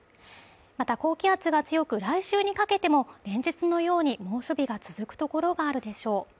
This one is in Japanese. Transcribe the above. また高気圧が強く来週にかけても連日のように猛暑日が続く所があるでしょう